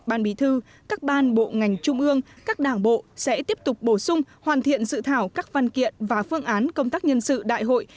ban bí thư các ban bộ ngành trung ương các đảng bộ sẽ tiếp tục bổ sung hoàn thiện dự thảo các văn kiện và phương án công tác nhân sự đại hội